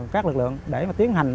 các lực lượng để tiến hành